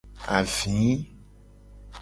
Avi.